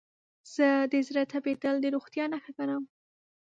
زه د زړه تپیدل د روغتیا نښه ګڼم.